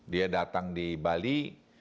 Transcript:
dia datang di bali